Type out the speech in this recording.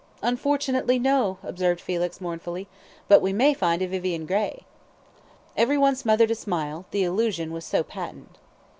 "Unfortunately, no!" observed Felix, mournfully; "but we may find a Vivian Grey." Every one smothered a smile, the allusion was so patent.